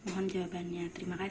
mohon jawabannya terima kasih